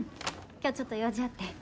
今日ちょっと用事あって。